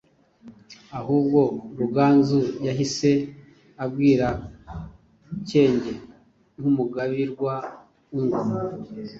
ahubwo Ruganzu yahise abwira Cyenge nk’umugabirwa w’ingoma